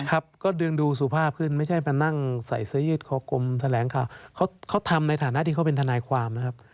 ครับก็ดึงดูสุภาพขึ้นไม่ใช่มานั่งใส่เสื้อยืดคอกลมแถลงข่าวเขาทำในฐานะที่เขาเป็นทนายความนะครับ